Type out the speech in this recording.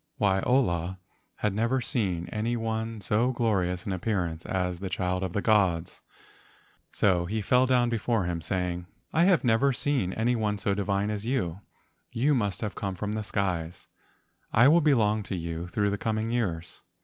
Waiola had never seen any one so glorious in appearance as the child of the gods, so he fell down before him, saying: "I have never seen THE MAID OF THE GOLDEN CLOUD 133 any one so divine as you. You must have come from the skies. I will belong to you through the coming years."